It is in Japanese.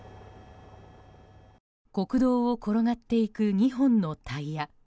国道を転がっていく２本のタイヤ。